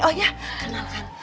oh ya kenalkan